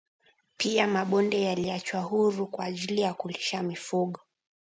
pia mabonde yaliachwa huru kwa ajili ya kulisha mifugo